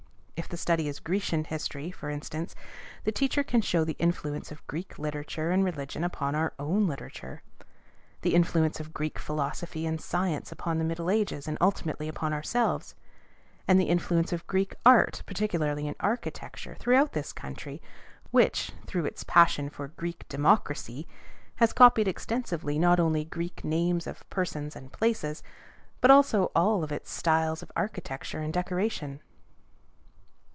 If the study is Grecian history, for instance, the teacher can show the influence of Greek literature and religion upon our own literature; the influence of Greek philosophy and science upon the Middle Ages and ultimately upon ourselves; and the influence of Greek art, particularly in architecture, throughout this country, which, through its passion for Greek democracy, has copied extensively not only Greek names of persons and places, but also all of its styles of architecture and decoration.